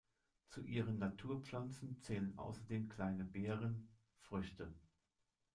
Zu ihren Nahrungspflanzen zählen außerdem kleine Beeren, Früchte.